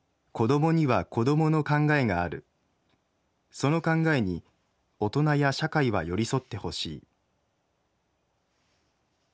その考えに大人や社会は寄り添ってほしい。